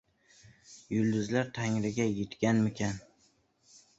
Yulduzlar Tangriga yetganmikan?